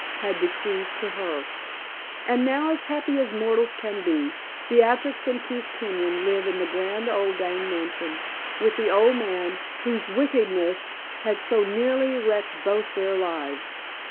had bequeathed to her. And now, as happy as mortals can be, Beatrix and Keith Kenyon live in the grand old Dane mansion with the old man whose wickedness had so nearly wrecked both their lives.